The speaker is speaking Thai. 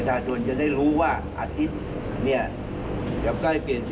แล้วก็ขอเวลาให้เขาทำการ